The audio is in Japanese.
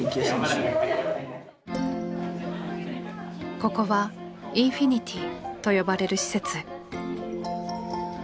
ここは「インフィニティ」と呼ばれる施設。